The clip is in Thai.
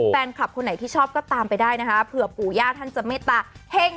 แฟนคลับคนไหนที่ชอบก็ตามไปได้นะคะเผื่อปู่ย่าท่านจะเมตตาเฮ่ง